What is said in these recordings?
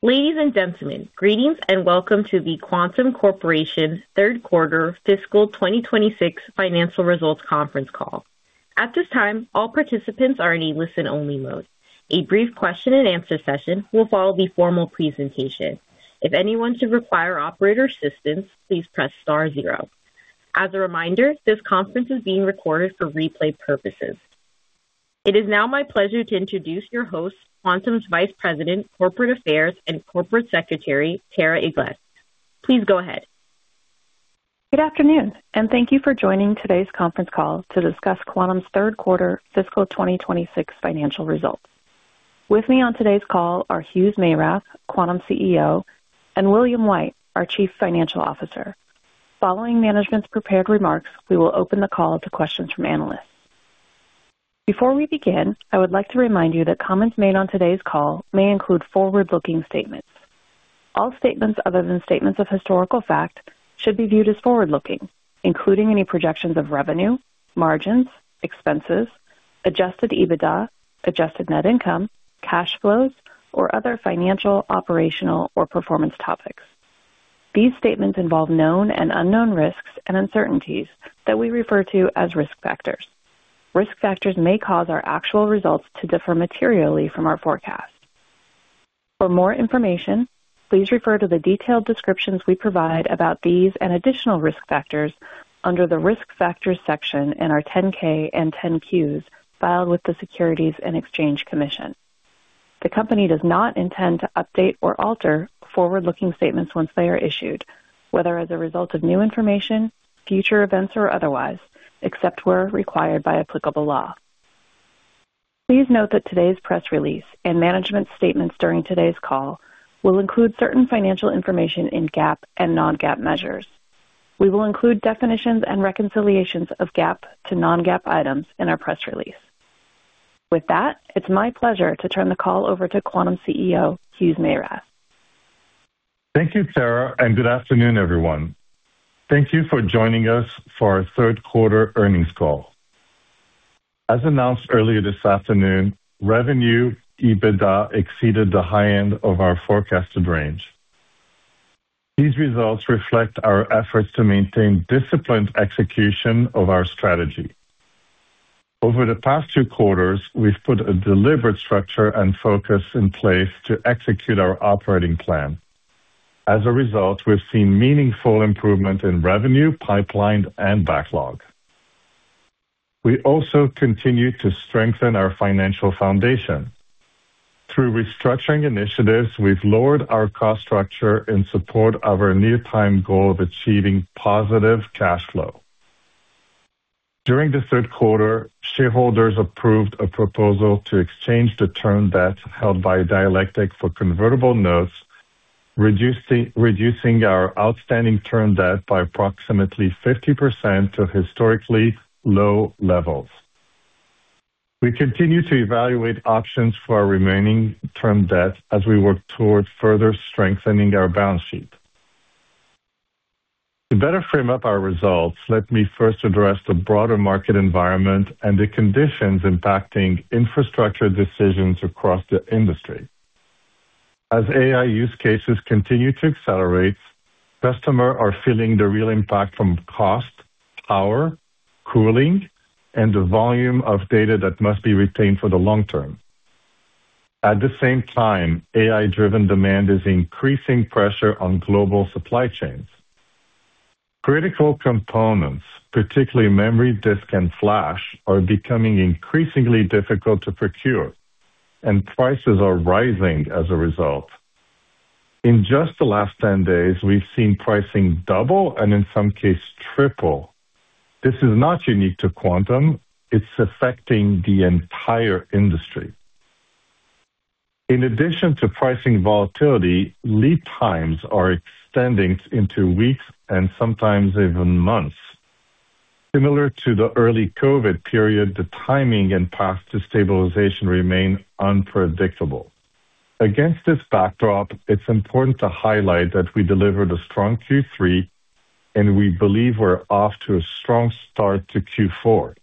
Ladies and gentlemen, greetings and welcome to the Quantum Corporation Q3 fiscal 2026 financial results conference call. At this time, all participants are in a listen-only mode. A brief question and answer session will follow the formal presentation. If anyone should require operator assistance, please press star zero. As a reminder, this conference is being recorded for replay purposes. It is now my pleasure to introduce your host, Quantum's Vice President, Corporate Affairs and Corporate Secretary, Tara Ilges. Please go ahead. Good afternoon, and thank you for joining today's conference call to discuss Quantum's Q3 fiscal 2026 financial results. With me on today's call are Hugues Meyrath, Quantum CEO, and William White, our Chief Financial Officer. Following management's prepared remarks, we will open the call to questions from analysts. Before we begin, I would like to remind you that comments made on today's call may include forward-looking statements. All statements other than statements of historical fact should be viewed as forward-looking, including any projections of revenue, margins, expenses, adjusted EBITDA, adjusted net income, cash flows, or other financial, operational, or performance topics. These statements involve known and unknown risks and uncertainties that we refer to as risk factors. Risk factors may cause our actual results to differ materially from our forecast. For more information, please refer to the detailed descriptions we provide about these and additional risk factors under the Risk Factors section in our 10-K and 10-Qs filed with the Securities and Exchange Commission. The company does not intend to update or alter forward-looking statements once they are issued, whether as a result of new information, future events, or otherwise, except where required by applicable law. Please note that today's press release and management statements during today's call will include certain financial information in GAAP and non-GAAP measures. We will include definitions and reconciliations of GAAP to non-GAAP items in our press release. With that, it's my pleasure to turn the call over to Quantum CEO, Hugues Meyrath. Thank you, Tara, and good afternoon, everyone. Thank you for joining us for our Q3 earnings call. As announced earlier this afternoon, revenue EBITDA exceeded the high end of our forecasted range. These results reflect our efforts to maintain disciplined execution of our strategy. Over the past two quarters, we've put a deliberate structure and focus in place to execute our operating plan. As a result, we've seen meaningful improvement in revenue, pipeline, and backlog. We also continue to strengthen our financial foundation. Through restructuring initiatives, we've lowered our cost structure in support of our near-time goal of achieving positive cash flow. During the Q3, shareholders approved a proposal to exchange the term debt held by Dialectic for convertible notes, reducing our outstanding term debt by approximately 50% to historically low levels. We continue to evaluate options for our remaining term debt as we work towards further strengthening our balance sheet. To better frame up our results, let me first address the broader market environment and the conditions impacting infrastructure decisions across the industry. As AI use cases continue to accelerate, customers are feeling the real impact from cost, power, cooling, and the volume of data that must be retained for the long term. At the same time, AI-driven demand is increasing pressure on global supply chains. Critical components, particularly memory, disk, and flash, are becoming increasingly difficult to procure, and prices are rising as a result. In just the last 10 days, we've seen pricing double and in some cases triple. This is not unique to Quantum; it's affecting the entire industry. In addition to pricing volatility, lead times are extending into weeks and sometimes even months. Similar to the early COVID period, the timing and path to stabilization remain unpredictable. Against this backdrop, it's important to highlight that we delivered a strong Q3, and we believe we're off to a strong start to Q4.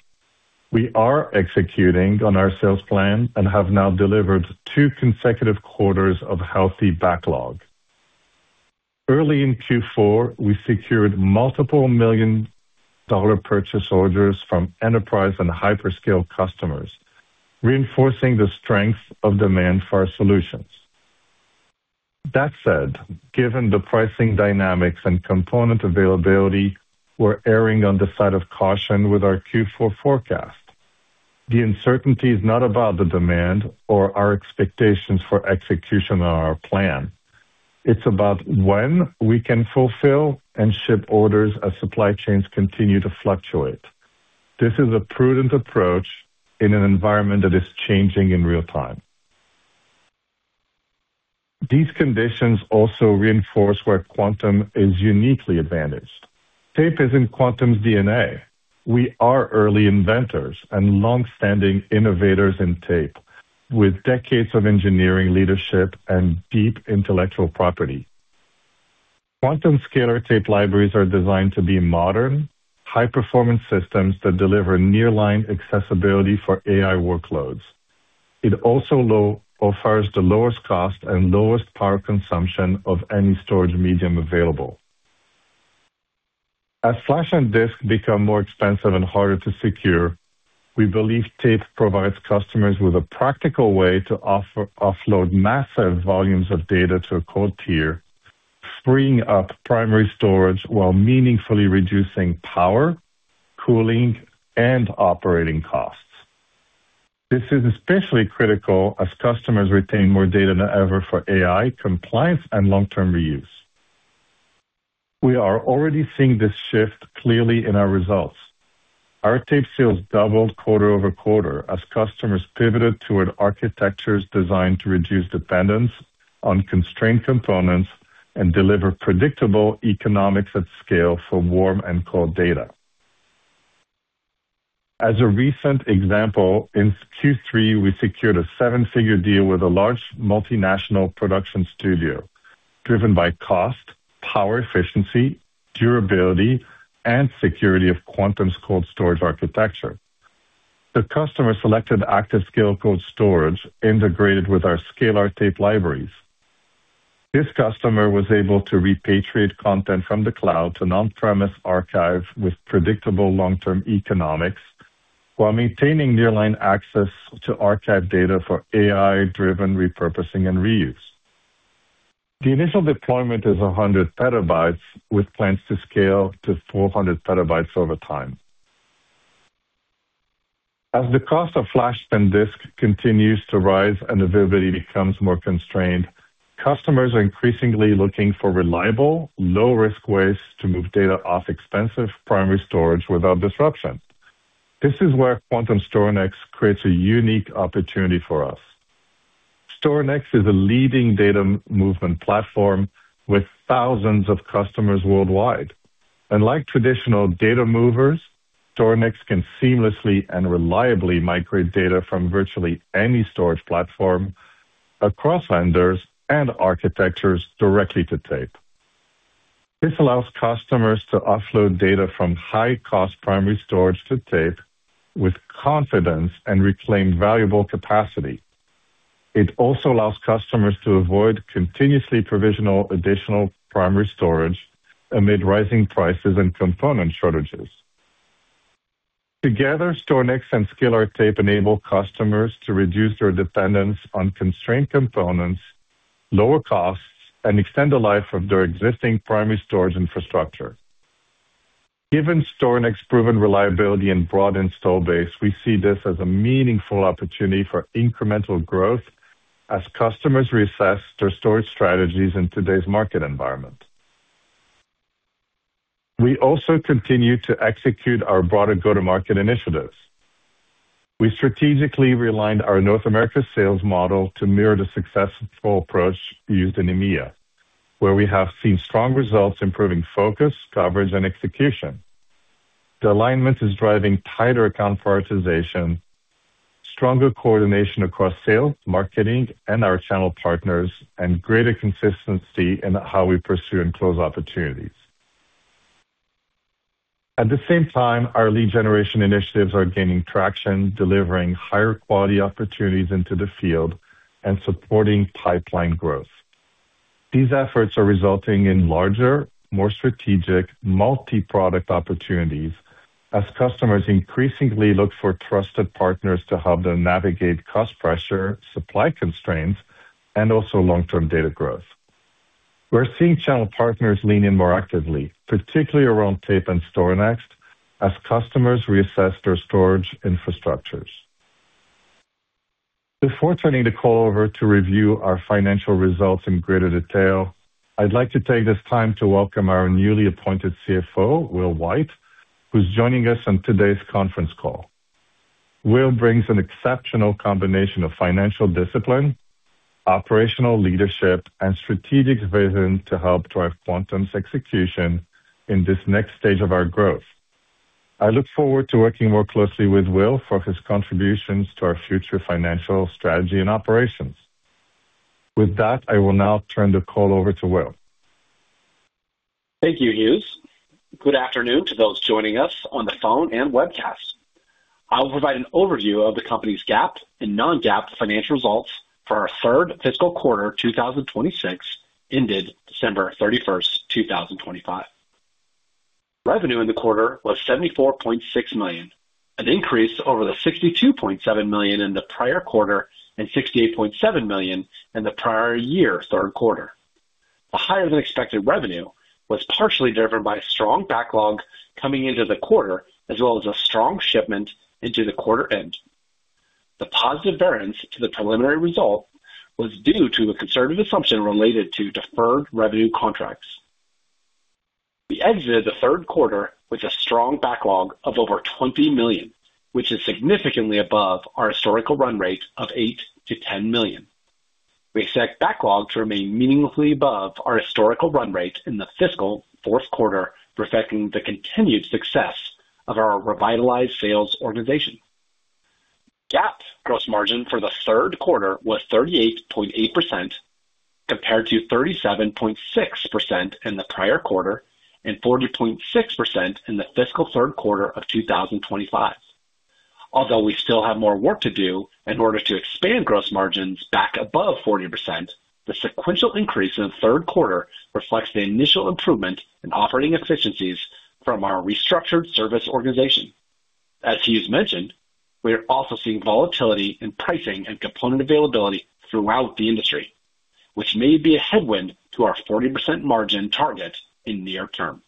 We are executing on our sales plan and have now delivered two consecutive quarters of healthy backlog. Early in Q4, we secured multiple $1 million purchase orders from enterprise and hyperscale customers, reinforcing the strength of demand for our solutions. That said, given the pricing dynamics and component availability, we're erring on the side of caution with our Q4 forecast. The uncertainty is not about the demand or our expectations for execution on our plan. It's about when we can fulfill and ship orders as supply chains continue to fluctuate. This is a prudent approach in an environment that is changing in real time. These conditions also reinforce where Quantum is uniquely advantaged. Tape is in Quantum's DNA. We are early inventors and longstanding innovators in tape, with decades of engineering, leadership, and deep intellectual property. Quantum Scalar tape libraries are designed to be modern, high-performance systems that deliver nearline accessibility for AI workloads. It also offers the lowest cost and lowest power consumption of any storage medium available. As flash and disk become more expensive and harder to secure, we believe tape provides customers with a practical way to offload massive volumes of data to a cold tier, freeing up primary storage while meaningfully reducing power, cooling, and operating costs. This is especially critical as customers retain more data than ever for AI, compliance, and long-term reuse. We are already seeing this shift clearly in our results. Our tape sales doubled quarter-over-quarter as customers pivoted toward architectures designed to reduce dependence on constrained components and deliver predictable economics at scale for warm and cold data. As a recent example, in Q3, we secured a seven-figure deal with a large multinational production studio, driven by cost, power efficiency, durability, and security of Quantum's cold storage architecture. The customer selected ActiveScale Cold Storage integrated with our Scalar tape libraries. This customer was able to repatriate content from the cloud to on-premise archive with predictable long-term economics, while maintaining Nearline access to archive data for AI-driven repurposing and reuse. The initial deployment is 100 petabytes, with plans to scale to 400 petabytes over time. As the cost of flash and disk continues to rise and availability becomes more constrained, customers are increasingly looking for reliable, low-risk ways to move data off expensive primary storage without disruption. This is where Quantum StorNext creates a unique opportunity for us. StorNext is a leading data movement platform with thousands of customers worldwide, and like traditional data movers, StorNext can seamlessly and reliably migrate data from virtually any storage platform across vendors and architectures directly to tape. This allows customers to offload data from high-cost primary storage to tape with confidence and reclaim valuable capacity. It also allows customers to avoid continuously provisioning additional primary storage amid rising prices and component shortages. Together, StorNext and Scalar tape enable customers to reduce their dependence on constrained components, lower costs, and extend the life of their existing primary storage infrastructure. Given StorNext's proven reliability and broad install base, we see this as a meaningful opportunity for incremental growth as customers reassess their storage strategies in today's market environment. We also continue to execute our broader go-to-market initiatives. We strategically realigned our North America sales model to mirror the successful approach used in EMEA, where we have seen strong results, improving focus, coverage, and execution. The alignment is driving tighter account prioritization, stronger coordination across sales, marketing, and our channel partners, and greater consistency in how we pursue and close opportunities. At the same time, our lead generation initiatives are gaining traction, delivering higher quality opportunities into the field and supporting pipeline growth. These efforts are resulting in larger, more strategic, multi-product opportunities as customers increasingly look for trusted partners to help them navigate cost pressure, supply constraints, and also long-term data growth. We're seeing channel partners lean in more actively, particularly around tape and StorNext, as customers reassess their storage infrastructures. Before turning the call over to review our financial results in greater detail, I'd like to take this time to welcome our newly appointed CFO, Will White, who's joining us on today's conference call. Will brings an exceptional combination of financial discipline, operational leadership, and strategic vision to help drive Quantum's execution in this next stage of our growth. I look forward to working more closely with Will for his contributions to our future financial strategy and operations. With that, I will now turn the call over to Will. Thank you, Hugues. Good afternoon to those joining us on the phone and webcast. I will provide an overview of the company's GAAP and non-GAAP financial results for our third fiscal quarter, 2026, ended 31 December 2025. Revenue in the quarter was $74.6 million, an increase over the $62.7 million in the prior quarter and $68.7 million in the prior year Q3. The higher-than-expected revenue was partially driven by strong backlog coming into the quarter, as well as a strong shipment into the quarter end. The positive variance to the preliminary result was due to a conservative assumption related to deferred revenue contracts. We exited the Q3 with a strong backlog of over $20 million, which is significantly above our historical run rate of $8 to 10 million. We expect backlog to remain meaningfully above our historical run rate in the fiscal Q4, reflecting the continued success of our revitalized sales organization.... GAAP gross margin for the Q3 was 38.8%, compared to 37.6% in the prior quarter and 40.6% in the fiscal Q3 of 2025. Although we still have more work to do in order to expand gross margins back above 40%, the sequential increase in the Q3 reflects the initial improvement in operating efficiencies from our restructured service organization. As Hughes mentioned, we are also seeing volatility in pricing and component availability throughout the industry, which may be a headwind to our 40% margin target in near term.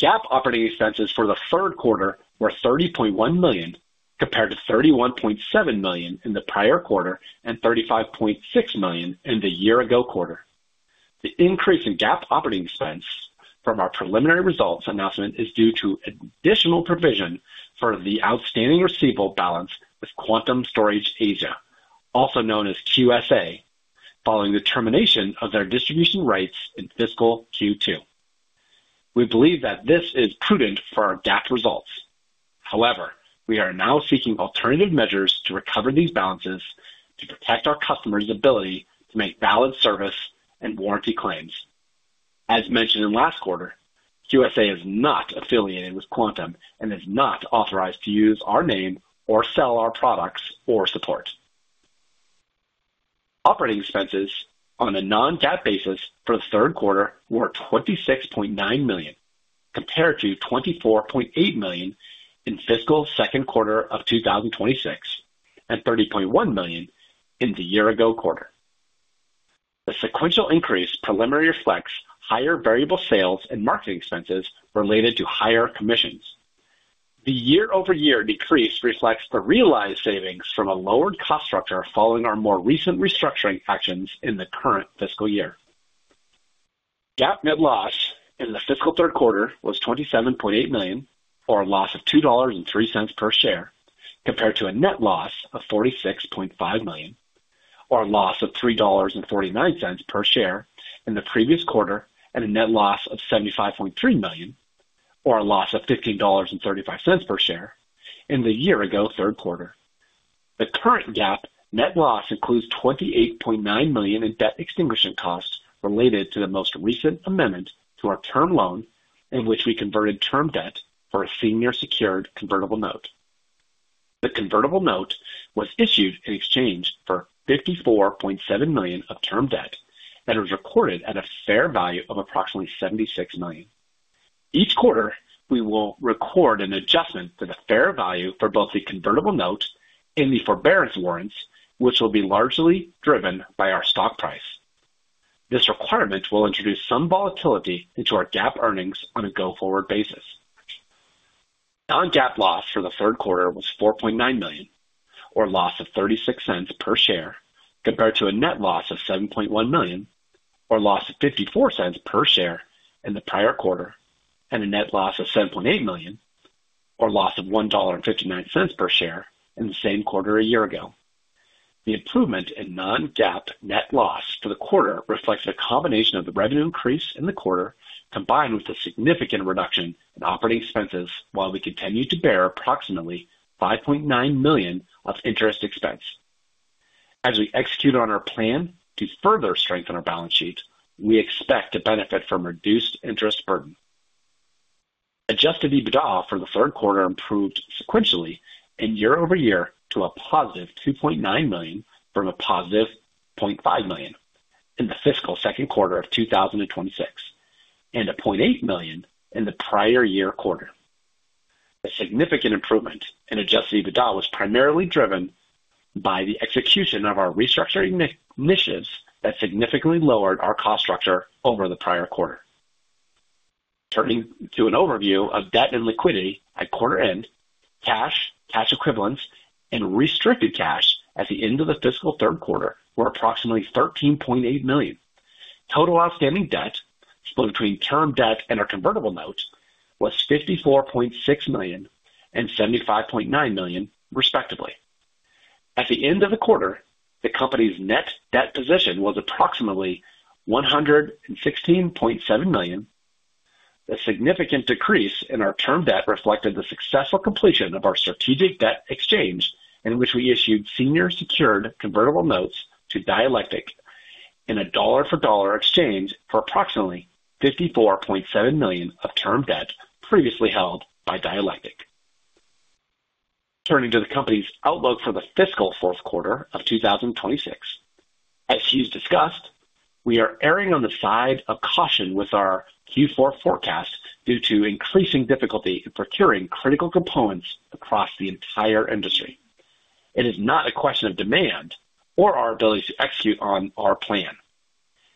GAAP operating expenses for the Q3 were $30.1 million, compared to $31.7 million in the prior quarter and $35.6 million in the year ago quarter. The increase in GAAP operating expense from our preliminary results announcement is due to additional provision for the outstanding receivable balance with Quantum Storage Asia, also known as QSA, following the termination of their distribution rights in fiscal Q2. We believe that this is prudent for our GAAP results. However, we are now seeking alternative measures to recover these balances to protect our customers' ability to make valid service and warranty claims. As mentioned in last quarter, QSA is not affiliated with Quantum and is not authorized to use our name or sell our products or support. Operating expenses on a non-GAAP basis for the Q3 were $26.9 million, compared to $24.8 million in fiscal Q2 of 2026, and $30.1 million in the year ago quarter. The sequential increase preliminary reflects higher variable sales and marketing expenses related to higher commissions. The year-over-year decrease reflects the realized savings from a lowered cost structure following our more recent restructuring actions in the current fiscal year. GAAP net loss in the fiscal Q3 was $27.8 million, or a loss of $2.03 per share, compared to a net loss of $46.5 million, or a loss of $3.49 per share in the previous quarter, and a net loss of $75.3 million, or a loss of $15.35 per share in the year ago Q3. The current GAAP net loss includes $28.9 million in debt extinguishment costs related to the most recent amendment to our term loan, in which we converted term debt for a senior secured convertible note. The convertible note was issued in exchange for $54.7 million of term debt that was recorded at a fair value of approximately $76 million. Each quarter, we will record an adjustment to the fair value for both the convertible note and the forbearance warrants, which will be largely driven by our stock price. This requirement will introduce some volatility into our GAAP earnings on a go-forward basis. Non-GAAP loss for the Q3 was $4.9 million, or loss of $0.36 per share, compared to a net loss of $7.1 million, or a loss of $0.54 per share in the prior quarter, and a net loss of $7.8 million, or loss of $1.59 per share in the same quarter a year ago. The improvement in non-GAAP net loss for the quarter reflects a combination of the revenue increase in the quarter, combined with a significant reduction in operating expenses, while we continued to bear approximately $5.9 million of interest expense. As we execute on our plan to further strengthen our balance sheet, we expect to benefit from reduced interest burden. Adjusted EBITDA for the Q3 improved sequentially and year-over-year to a positive $2.9 million from a positive $0.5 million in the fiscal Q2 of 2026, and a $0.8 million in the prior year quarter. A significant improvement in adjusted EBITDA was primarily driven by the execution of our restructuring initiatives that significantly lowered our cost structure over the prior quarter. Turning to an overview of debt and liquidity at quarter end, cash, cash equivalents and restricted cash at the end of the fiscal Q3 were approximately $13.8 million. Total outstanding debt, split between term debt and our convertible note, was $54.6 million and $75.9 million, respectively. At the end of the quarter, the company's net debt position was approximately $116.7 million. The significant decrease in our term debt reflected the successful completion of our strategic debt exchange, in which we issued senior secured convertible notes to Dialectic in a dollar for dollar exchange for approximately $54.7 million of term debt previously held by Dialectic. Turning to the company's outlook for the fiscal Q4 of 2026. As Hughes discussed, we are erring on the side of caution with our Q4 forecast due to increasing difficulty in procuring critical components across the entire industry. It is not a question of demand or our ability to execute on our plan.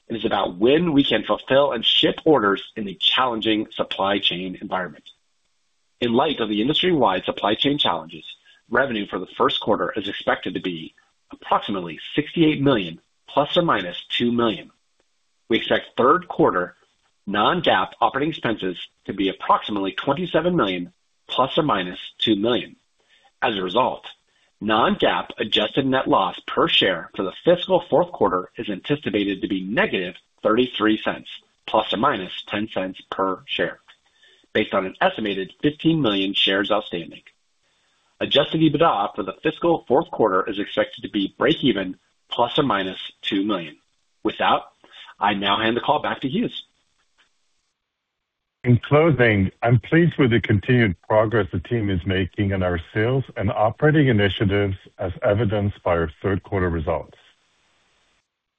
It is about when we can fulfill and ship orders in a challenging supply chain environment. In light of the industry-wide supply chain challenges, revenue for the Q1 is expected to be approximately $68 million ± $2 million. We expect Q3 non-GAAP operating expenses to be approximately $27 million ± $2 million. As a result, non-GAAP adjusted net loss per share for the fiscal Q4 is anticipated to be -$0.33 ± $0.10 per share, based on an estimated 15 million shares outstanding. Adjusted EBITDA for the fiscal Q4 is expected to be breakeven ± $2 million. With that, I now hand the call back to Hugues. In closing, I'm pleased with the continued progress the team is making in our sales and operating initiatives, as evidenced by our Q3 results.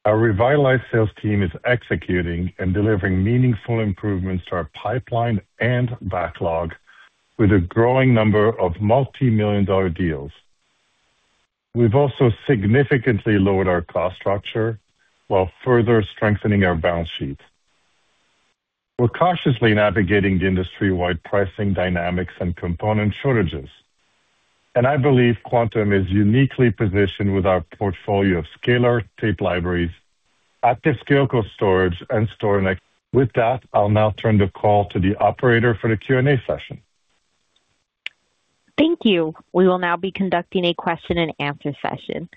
Our revitalized sales team is executing and delivering meaningful improvements to our pipeline and backlog, with a growing number of multimillion dollar deals. We've also significantly lowered our cost structure while further strengthening our balance sheet. We're cautiously navigating the industry-wide pricing dynamics and component shortages, and I believe Quantum is uniquely positioned with our portfolio of Scalar tape libraries, ActiveScale storage, and StorNext. With that, I'll now turn the call to the operator for the Q&A session. Thank you. We will now be conducting a question-and-answer session.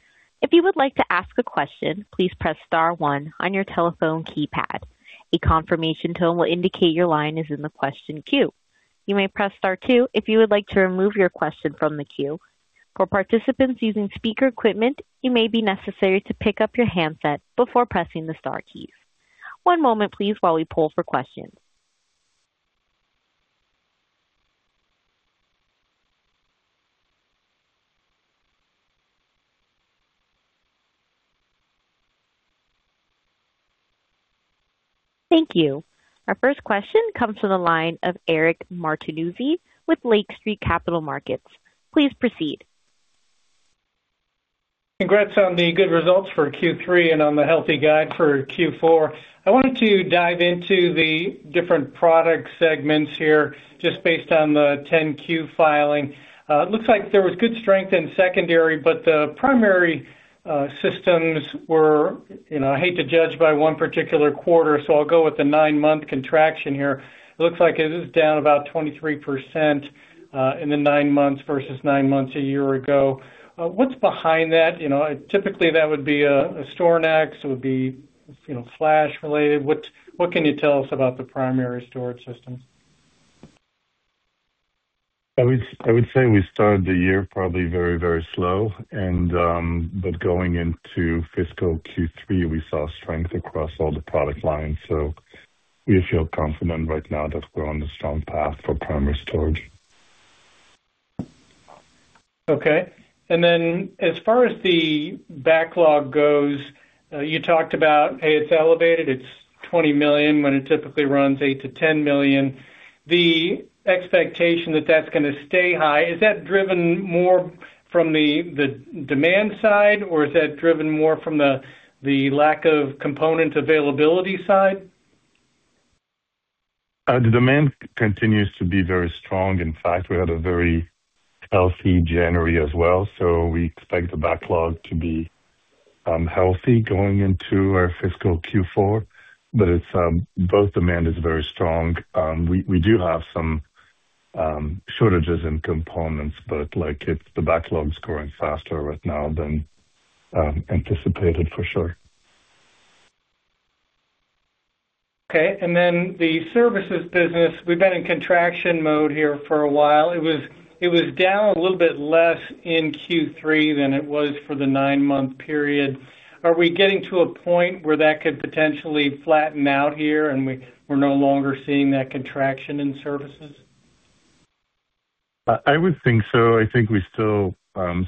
If you would like to ask a question, please press star one on your telephone keypad. A confirmation tone will indicate your line is in the question queue. You may press star two if you would like to remove your question from the queue. For participants using speaker equipment, it may be necessary to pick up your handset before pressing the star keys. One moment please, while we pull for questions. Thank you. Our first question comes from the line of Eric Martinuzzi with Lake Street Capital Markets. Please proceed. Congrats on the good results for Q3 and on the healthy guide for Q4. I wanted to dive into the different product segments here, just based on the 10-Q filing. It looks like there was good strength in secondary, but the primary systems were... You know, I hate to judge by one particular quarter, so I'll go with the nine-month contraction here. It looks like it is down about 23%, in the nine months versus nine months a year ago. What's behind that? You know, typically, that would be a StorNext. It would be, you know, flash related. What can you tell us about the primary storage systems? I would, I would say we started the year probably very, very slow, and, but going into fiscal Q3, we saw strength across all the product lines. We feel confident right now that we're on the strong path for Primary Storage. Okay, and then as far as the backlog goes, you talked about, hey, it's elevated. It's $20 million, when it typically runs $8 to 10 million. The expectation that that's gonna stay high, is that driven more from the demand side, or is that driven more from the lack of component availability side? The demand continues to be very strong in fact, we had a very healthy January as well, so we expect the backlog to be healthy going into our fiscal Q4. But it's both demand is very strong. We do have some shortages in components, but like, it's the backlog is growing faster right now than anticipated, for sure. Okay, and then the services business, we've been in contraction mode here for a while. It was down a little bit less in Q3 than it was for the nine-month period. Are we getting to a point where that could potentially flatten out here, and we're no longer seeing that contraction in services? I would think so. I think we still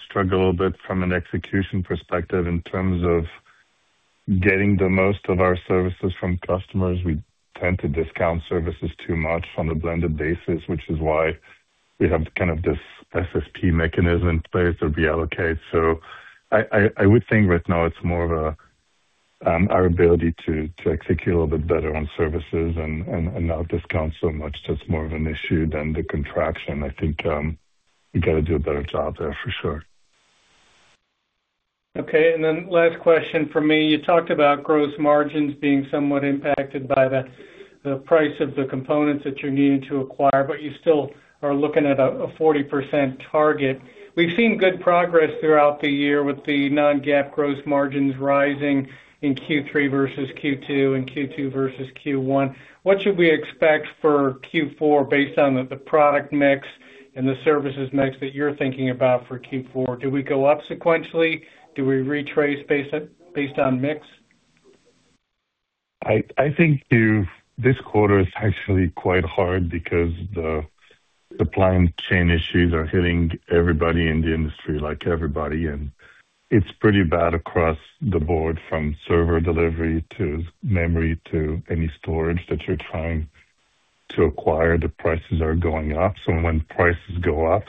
struggle a little bit from an execution perspective in terms of getting the most of our services from customers. We tend to discount services too much on a blended basis, which is why we have kind of this SSP mechanism in place to reallocate. I would think right now it's more of a our ability to execute a little bit better on services and not discount so much that's more of an issue than the contraction. I think we got to do a better job there, for sure. Okay, and then last question for me you talked about gross margins being somewhat impacted by the price of the components that you're needing to acquire, but you still are looking at a 40% target. We've seen good progress throughout the year with the non-GAAP gross margins rising in Q3 versus Q2 and Q2 versus Q1. What should we expect for Q4 based on the product mix and the services mix that you're thinking about for Q4? Do we go up sequentially? Do we retrace based on mix? I think you've... This quarter is actually quite hard because the supply chain issues are hitting everybody in the industry, like everybody, and it's pretty bad across the board, from server delivery to memory to any storage that you're trying to acquire, the prices are going up. So when prices go up,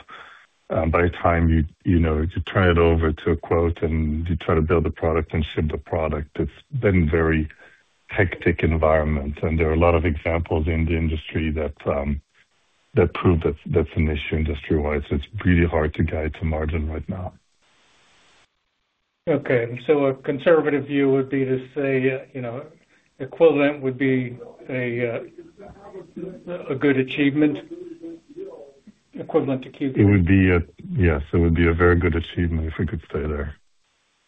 by the time you, you know, to turn it over to a quote and you try to build a product and ship the product, it's been very hectic environment and there are a lot of examples in the industry that, that prove that that's an issue industry-wise. It's pretty hard to guide to margin right now. Okay, so a conservative view would be to say, you know, equivalent would be a good achievement?... equivalent to Q3? It would be, yes, it would be a very good achievement if we could stay there.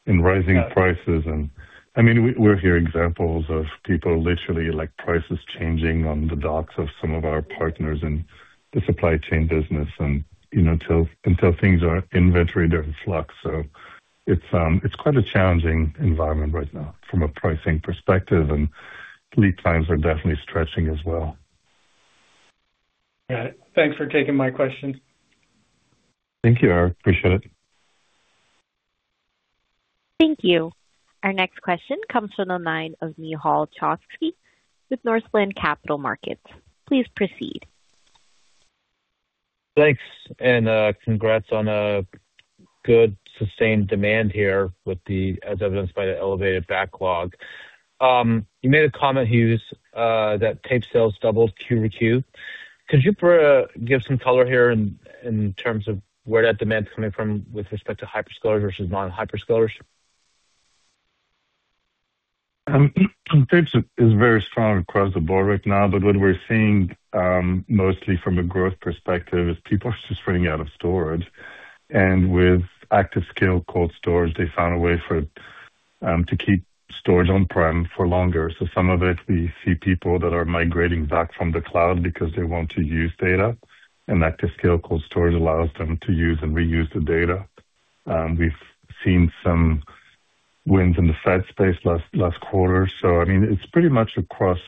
In rising prices and... I mean, we hear examples of people literally like prices changing on the docks of some of our partners in the supply chain business and, you know, till until things are inventory, there is flux. It's quite a challenging environment right now from a pricing perspective, and lead times are definitely stretching as well. Got it. Thanks for taking my question. Thank you. I appreciate it. Thank you. Our next question comes from the line of Nehal Chokshi with Northland Capital Markets. Please proceed. Thanks, and congrats on a good sustained demand here with the, as evidenced by the elevated backlog. You made a comment, Hugues, that tape sales doubled Q to Q. Could you give some color here in terms of where that demand is coming from with respect to hyperscalers versus non-hyperscalers? Tape is very strong across the board right now, but what we're seeing, mostly from a growth perspective, is people are just running out of storage. And with ActiveScale Cold Storage, they found a way for to keep storage on-prem for longer. So some of it, we see people that are migrating back from the cloud because they want to use data, and ActiveScale Cold Storage allows them to use and reuse the data. We've seen some wins in the Fed space last quarter, so I mean, it's pretty much across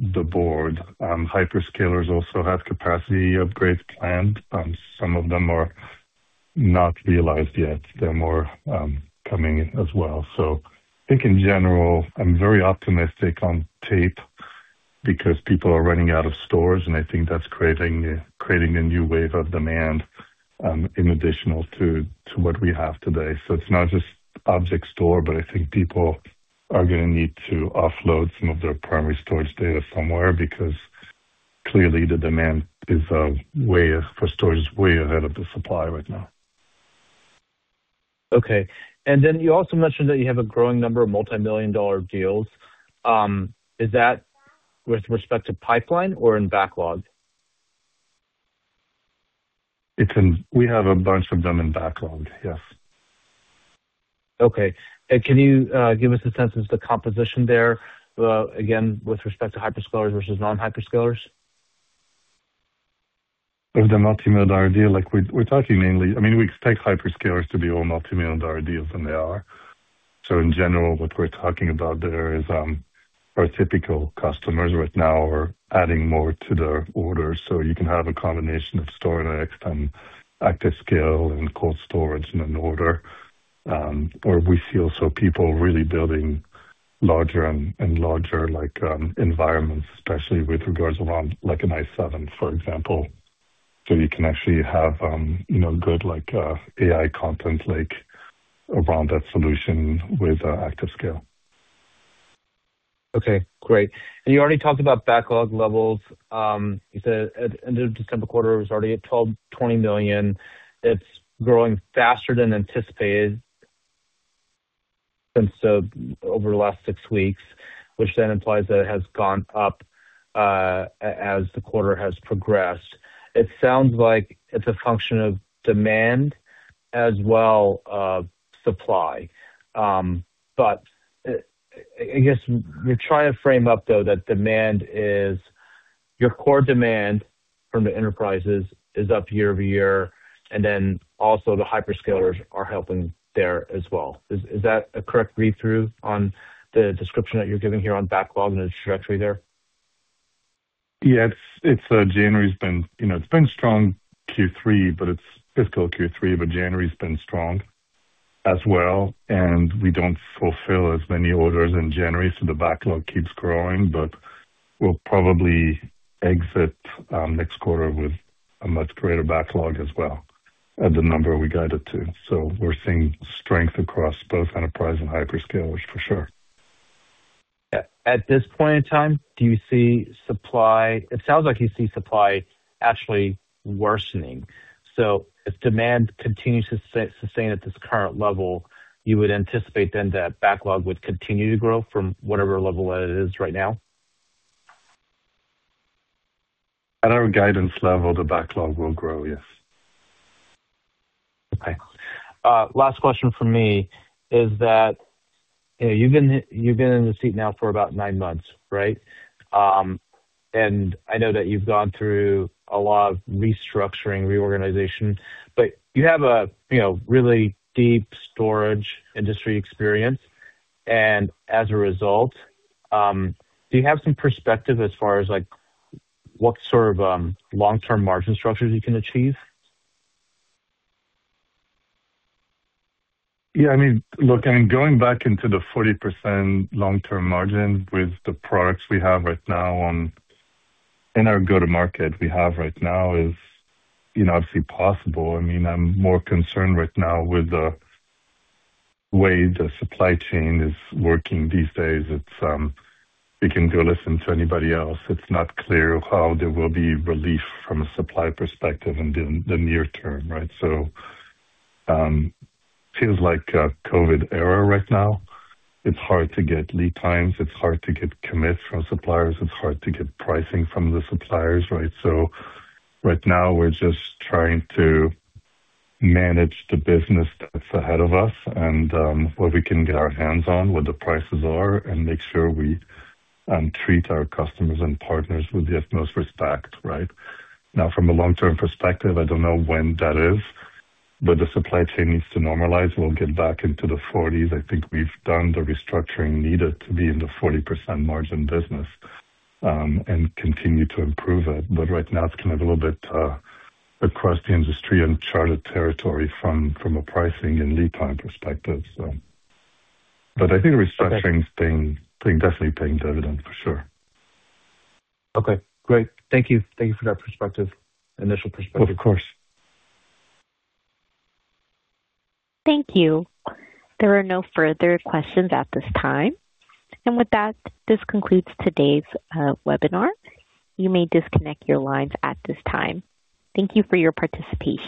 the board. Hyperscalers also have capacity upgrades planned. Some of them are not realized yet they're more coming in as well. I think in general, I'm very optimistic on tape because people are running out of storage, and I think that's creating a new wave of demand in addition to what we have today it's not just object store, but I think people are gonna need to offload some of their primary storage data somewhere, because clearly the demand for storage is way ahead of the supply right now. Okay. And then you also mentioned that you have a growing number of multimillion-dollar deals. Is that with respect to pipeline or in backlog? It's in... We have a bunch of them in backlog, yes. Okay. Can you give us a sense of the composition there, again, with respect to hyperscalers versus non-hyperscalers? With the multimillion-dollar deal, like we're talking mainly, I mean, we take hyperscalers to be all multimillion-dollar deals, and they are. So in general, what we're talking about there is our typical customers right now are adding more to their orders so you can have a combination of StorNext and ActiveScale and cold storage in an order, where we feel so people really building larger and larger, like, environments, especially with regards around like an i7, for example. So you can actually have, you know, good like, AI content, like, around that solution with ActiveScale. Okay, great. You already talked about backlog levels. You said at the end of the December quarter, it was already at $122 million. It's growing faster than anticipated, and so over the last six weeks, which then implies that it has gone up as the quarter has progressed. It sounds like it's a function of demand as well, supply. But I guess you're trying to frame up, though, that demand is your core demand from the enterprises is up year-over-year, and then also the hyperscalers are helping there as well. Is that a correct read-through on the description that you're giving here on backlog and the trajectory there? Yes, it's January's been... You know, it's been strong Q3, but it's fiscal Q3, but January's been strong as well, and we don't fulfill as many orders in January, so the backlog keeps growing, but we'll probably exit next quarter with a much greater backlog as well at the number we guided to. So we're seeing strength across both enterprise and hyperscalers, for sure. Yeah. At this point in time, do you see supply- It sounds like you see supply actually worsening. So if demand continues to sustain at this current level, you would anticipate then that backlog would continue to grow from whatever level that it is right now? At our guidance level, the backlog will grow, yes. Okay. Last question from me is that, you know, you've been, you've been in the seat now for about nine months, right? And I know that you've gone through a lot of restructuring, reorganization, but you have a, you know, really deep storage industry experience, and as a result, do you have some perspective as far as, like, what sort of, long-term margin structures you can achieve? Yeah, I mean, look, I mean, going back into the 40% long-term margin with the products we have right now in our go-to-market we have right now is, you know, obviously possible i mean, I'm more concerned right now with the way the supply chain is working these days it's, you can go listen to anybody else. It's not clear how there will be relief from a supply perspective in the near term, right? Feels like a COVID era right now. It's hard to get lead times it's hard to get commits from suppliers it's hard to get pricing from the suppliers, right? Right now, we're just trying to manage the business that's ahead of us and what we can get our hands on, what the prices are, and make sure we treat our customers and partners with the utmost respect, right? Now, from a long-term perspective, I don't know when that is, but the supply chain needs to normalize we'll get back into the 40s i think we've done the restructuring needed to be in the 40% margin business and continue to improve it. But right now, it's kind of a little bit across the industry and uncharted territory from a pricing and lead time perspective, but I think restructuring's been definitely paying dividends for sure. Okay, great. Thank you. Thank you for that perspective, initial perspective. Of course. Thank you. There are no further questions at this time, and with that, this concludes today's webinar. You may disconnect your lines at this time. Thank you for your participation.